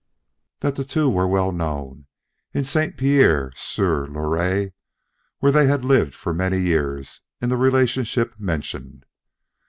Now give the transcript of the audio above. That the two were well known in St. Pierre sur Loire, where they had lived for many years in the relationship mentioned.